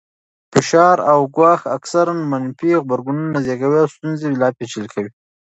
فشار او ګواښ اکثراً منفي غبرګون زېږوي او ستونزه لا پېچلې کوي.